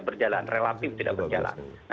berjalan relatif tidak berjalan